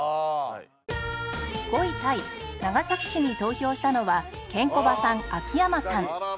５位タイ長崎市に投票したのはケンコバさん秋山さん